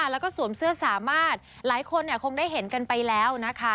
แล้วก็สวมเสื้อสามารถหลายคนคงได้เห็นกันไปแล้วนะคะ